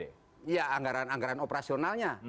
iya anggaran anggaran operasionalnya